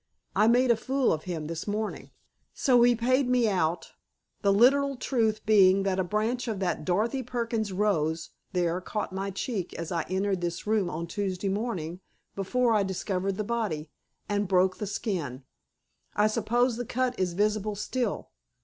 I made a fool of him this morning, so he paid me out, the literal truth being that a branch of that Dorothy Perkins rose there caught my cheek as I entered this room on Tuesday morning—before I discovered the body—and broke the skin. I suppose the cut is visible still?